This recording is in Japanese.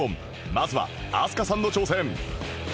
まずは飛鳥さんの挑戦